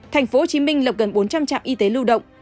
tp hcm lập gần bốn trăm linh trạm y tế lưu động